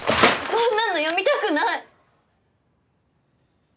こんなの読みたくない！